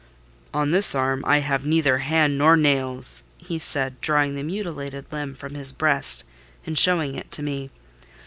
"On this arm, I have neither hand nor nails," he said, drawing the mutilated limb from his breast, and showing it to me.